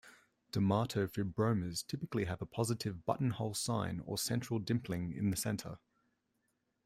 Dermatofibromas typically have a positive "buttonhole sign", or central dimpling in the center.